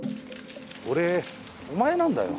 俺お前なんだよ。